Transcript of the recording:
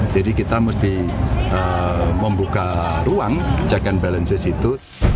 jadi kita mesti membuka ruang check and balances itu